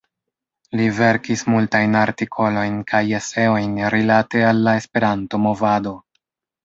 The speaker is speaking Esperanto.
Li verkis multajn artikolojn kaj eseojn rilate al la Esperanto-movado.